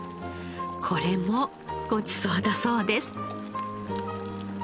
これもごちそうだそうです。